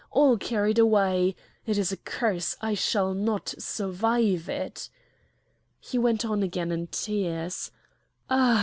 all carried away! It is a curse! I shall not survive it!" He went on again in tears: "Ah!